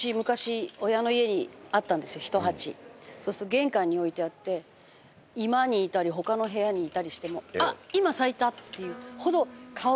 玄関に置いてあって居間にいたり他の部屋にいたりしても「あっ今咲いた！」っていうほど香りがブワーッと。